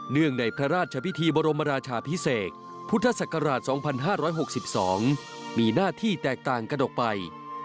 ในพระราชพิธีบรมราชาพิเศษพุทธศักราช๒๕๖๒มีหน้าที่แตกต่างกันออกไป